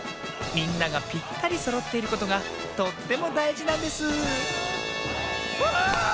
みんながぴったりそろっていることがとってもだいじなんですあ！